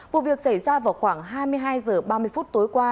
vụ việc xảy ra vào khoảng hai mươi hai h ba mươi phút tối qua